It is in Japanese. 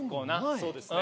そうですね。